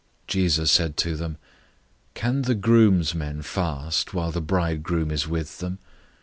002:019 Jesus said to them, "Can the groomsmen fast while the bridegroom is with them?